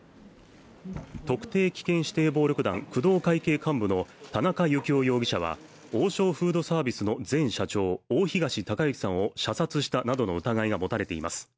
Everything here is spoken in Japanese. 特定危険指定暴力団・工藤会系の幹部の田中幸雄容疑者は王将フードサービスの前社長、大東隆行さんを射殺したなどの疑いが持たれています。